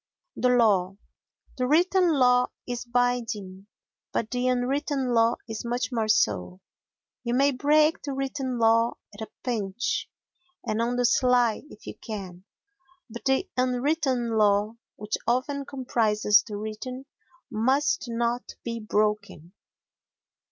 The Law The written law is binding, but the unwritten law is much more so. You may break the written law at a pinch and on the sly if you can, but the unwritten law—which often comprises the written—must not be broken.